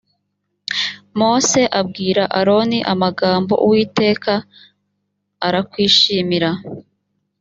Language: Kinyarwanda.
mose abwira aroni amagambo uwiteka arakwishimira